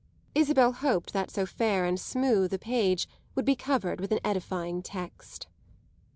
Isabel hoped that so fair and smooth a page would be covered with an edifying text.